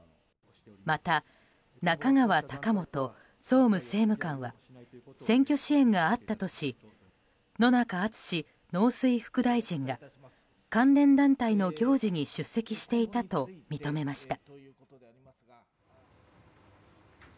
また、中川貴元総務政務官は選挙支援があったとし野中厚農水副大臣が関連団体の行事に出席していたと認めました。